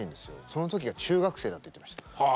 その時が中学生だって言ってました。